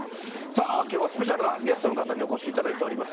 きょうはスペシャルなゲストの方にお越しいただいております。